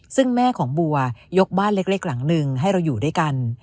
ซึ่งแม่ของบัวยกบ้านเล็กหลังหนึ่งให้เราอยู่ด้วยกัน